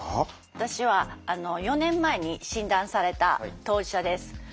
私は４年前に診断された当事者です。